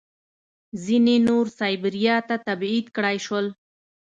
ځینې نور سایبیریا ته تبعید کړای شول